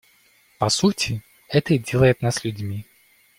По сути, это и делает нас людьми.